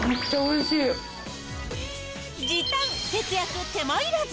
時短、節約、手間いらず。